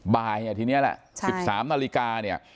บ่ายทีนี้ล่ะ๑๓นาฬิกา